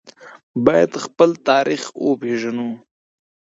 باید خپل تاریخ وپیژنو